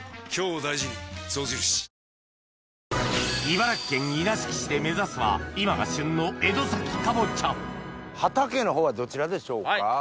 茨城県稲敷市で目指すは今が旬の江戸崎かぼちゃ畑のほうはどちらでしょうか？